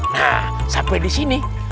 nah sampai di sini